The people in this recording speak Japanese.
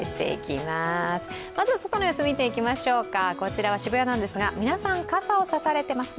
まずは外の様子を見ていきましょうか、こちらは渋谷なんですが、皆さん、傘を差されてますね。